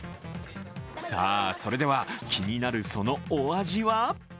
さあ、それでは気になるそのお味は？